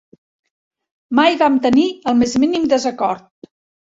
Mai vam tenir el més mínim desacord.